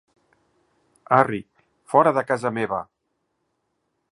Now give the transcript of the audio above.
Arri, fora de casa meva!